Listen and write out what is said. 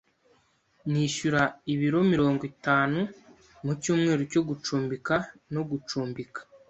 Nishyura ibiro mirongo itanu mucyumweru cyo gucumbika no gucumbika.